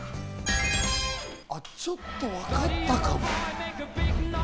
ちょっとわかったかも。